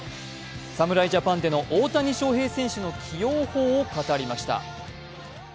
侍ジャパンでの大谷翔平選手の起用法を語りました。